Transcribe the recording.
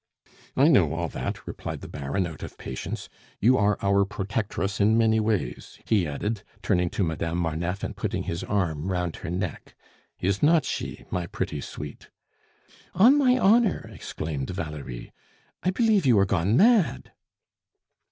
"I know all that," replied the Baron out of patience; "you are our protectress in many ways," he added, turning to Madame Marneffe and putting his arm round her neck. "Is not she, my pretty sweet?" "On my honor," exclaimed Valerie, "I believe you are gone mad!"